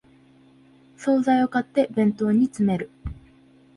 総菜を買って弁当に詰める